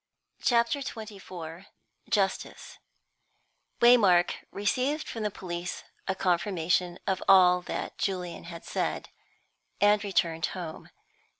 CHAPTER XXIV JUSTICE Waymark received from the police a confirmation of all that Julian had said, and returned home.